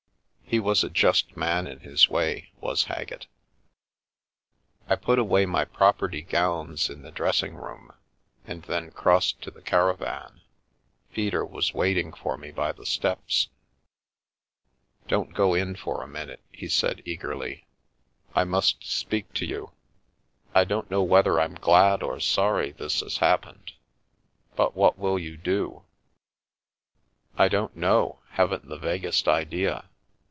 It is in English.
He was a just man in his way, was Haggett. I put away my property gowns in the dressing room, and then crossed to the caravan. Peter was waiting for me by the steps. " Don't go in for a minute," he said, eagerly. " I must speak to you. I don't know whether I'm glad or sorry this has happened — but what will you do?" " I don't know, haven't the vaguest idea.